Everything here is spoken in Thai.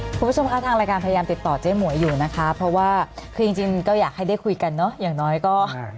คุณผู้ชมคะทางรายการพยายามติดต่อเจ๊หมวยอยู่นะคะเพราะว่าคือจริงจริงก็อยากให้ได้คุยกันเนอะอย่างน้อยก็